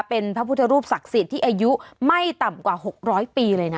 เป็นพระพุทธรูปศักดิ์สิทธิ์ที่อายุไม่ต่ำกว่า๖๐๐ปีเลยนะ